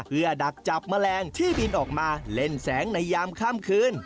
เพื่อดักจับแมลงที่บินออกมาเล่นแสงในยามค่ำคืน